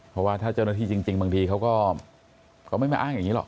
เพราะว่าถ้าเจ้าหน้าที่จริงบางทีเขาก็ไม่มาอ้างอย่างนี้หรอก